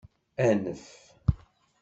Anef!